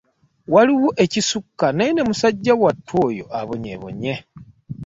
Waliwo ekisukka naye ne musajja wattu oyo abonyeebonye.